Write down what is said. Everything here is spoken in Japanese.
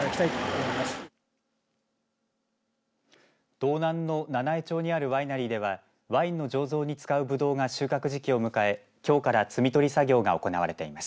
道南の七飯町にあるワイナリーではワインの醸造に使うブドウが収穫時期を迎えきょうから摘み取り作業が行われています。